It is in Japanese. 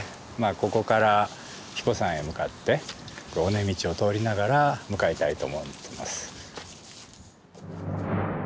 ここから英彦山へ向かって尾根道を通りながら向かいたいと思います。